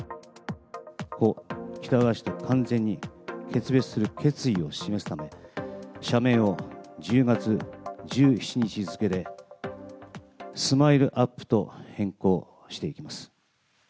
故・喜多川氏と完全に決別する決意を示すため、社名を１０月１７日付けで、スマイルアップと変更していきます。